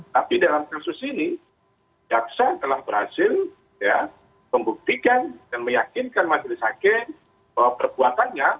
tapi dalam kasus ini jaksa telah berhasil membuktikan dan meyakinkan majelis hakim bahwa perbuatannya